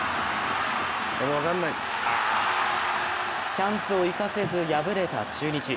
チャンスを生かせず敗れた中日。